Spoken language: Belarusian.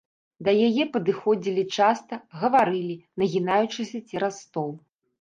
Да яе падыходзілі часта, гаварылі, нагінаючыся цераз стол.